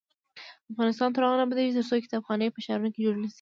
افغانستان تر هغو نه ابادیږي، ترڅو کتابخانې په ښارونو کې جوړې نشي.